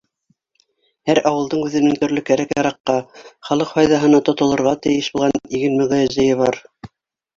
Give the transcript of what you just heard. Һәр ауылдың үҙенең төрлө кәрәк-яраҡҡа, халыҡ файҙаһына тотолорға тейеш булған иген мөгәзәйе бар.